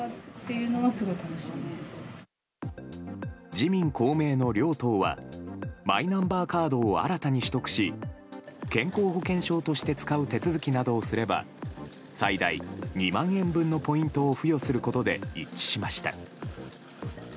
自民・公明の両党はマイナンバーカードを新たに取得し健康保険証として使う手続きなどをすれば最大２万円分のポイントを付与することで一致しました。